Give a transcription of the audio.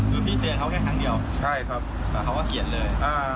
คือพี่เสียงเขาแค่ทางเดียวใช่ครับ